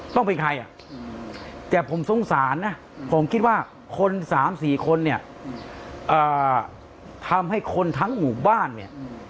ต้องเป็นใครอ่ะแต่ผมสงสารนะผมคิดว่าคน๓๔คนเนี่ยทำให้คนทั้งหมู่บ้านเนี่ย